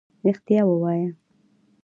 رښتيا ووايه.